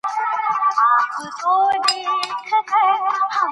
امیه وویل: یو دا غواړم چې زوی مې کلاب راسره وی،